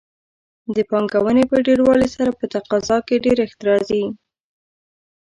د پانګونې په ډېروالي سره په تقاضا کې ډېرښت راځي.